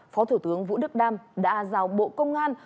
phó thủ tướng vũ đức đam đã giao bộ công an